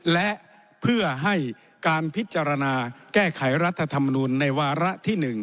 และเพื่อให้การพิจารณาแก้ไขรัฐธรรมนูลในวาระที่๑